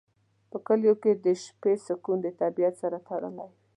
په کلیو کې د شپې سکون د طبیعت سره تړلی وي.